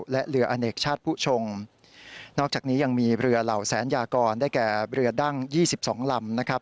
และเรืออเนกชาติผู้ชงนอกจากนี้ยังมีเรือเหล่าแสนยากรได้แก่เรือดั้ง๒๒ลำนะครับ